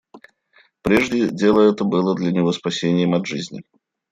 Прежде дело это было для него спасением от жизни.